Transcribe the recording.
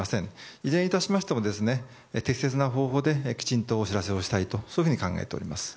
いずれにいたしましても適切な方法できちんとお知らせをしたいと思っております。